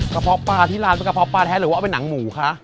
เพาะปลาที่ร้านเป็นกระเพาะปลาแท้หรือว่าเอาไปหนังหมูคะ